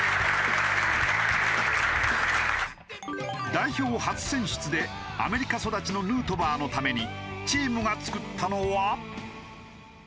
代表初選出でアメリカ育ちのヌートバーのためにチームが作ったのは。